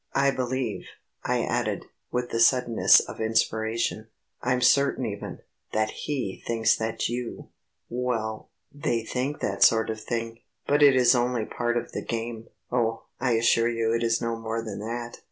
"I believe," I added, with the suddenness of inspiration. "I'm certain even, that he thinks that you ..." "Well, they think that sort of thing. But it is only part of the game. Oh, I assure you it is no more than that."